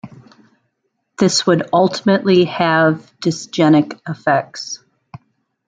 This would ultimately have dysgenic effects.